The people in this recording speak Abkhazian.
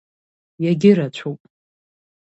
Иагьырацәоуп.